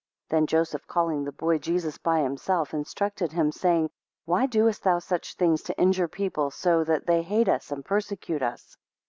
13 Then Joseph calling the boy Jesus by himself, instructed him, saying, Why doest thou such things to injure the people so, that they hate us and prosecute us?